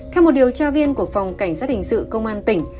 theo một điều tra viên của phòng cảnh sát hình sự công an tỉnh